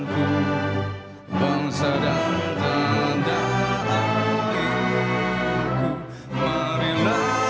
pemirsa dan hadirin sekalian